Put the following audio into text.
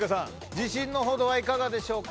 自信のほどはいかがでしょうか。